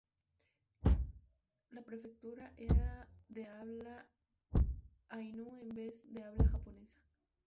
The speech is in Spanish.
La prefectura era de habla ainu en vez de habla japonesa.